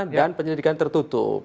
dan penyelidikan tertutup